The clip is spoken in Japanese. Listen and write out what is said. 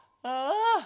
ああ。